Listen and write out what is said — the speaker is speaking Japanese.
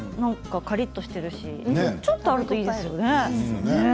カリッとしているしちょっとあるといいですよね。